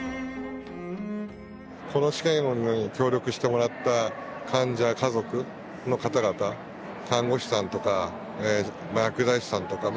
この試験に協力してもらった患者家族の方々看護師さんとか薬剤師さんとかいわゆる医療従事者の方々